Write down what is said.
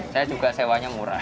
saya juga sewanya murah